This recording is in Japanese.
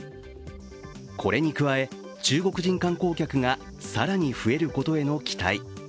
これに加え、中国人観光客が更に増えることへの期待。